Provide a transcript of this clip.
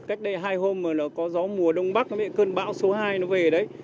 cách đây hai hôm có gió mùa đông bắc cơn bão số hai nó về đấy